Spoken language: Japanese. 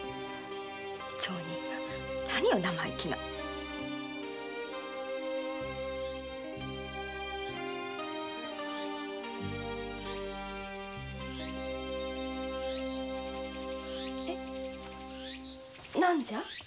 町人が何を生意気な何じゃ？